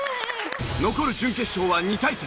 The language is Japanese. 残る準決勝は２対戦。